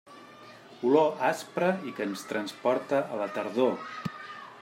Olor aspra i que ens transporta a la tardor.